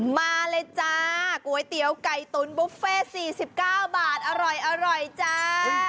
มาเลยจ้าก๋วยเตี๋ยวไก่ตุ๋นบุฟเฟ่๔๙บาทอร่อยจ้า